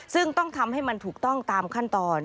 ซึ่งต้องทำให้มันถูกต้องตามขั้นตอน